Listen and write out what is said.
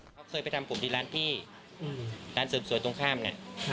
เขาเคยไปทำผมที่ร้านพี่ร้านเสริมสวยตรงข้ามเนี่ย